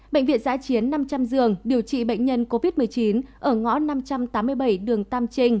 bệnh viện giã chiến năm trăm linh giường điều trị bệnh nhân covid một mươi chín ở ngõ năm trăm tám mươi bảy đường tam trinh